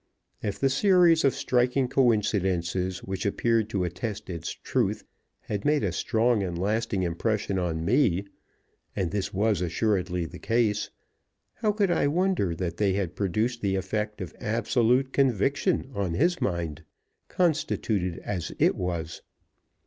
If the series of striking coincidences which appeared to attest its truth had made a strong and lasting impression on me (and this was assuredly the case), how could I wonder that they had produced the effect of absolute conviction on his mind, constituted as it was?